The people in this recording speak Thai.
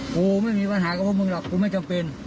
กูไม่มีปัญหากับพวกมึงหรอกกูไม่จำเป็น